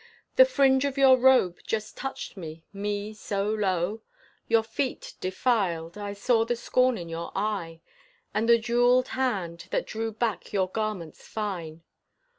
The fringe of your robe just touched me, me so low Your feet defiled, I saw the scorn in your eye, And the jeweled hand, that drew back your garments fine.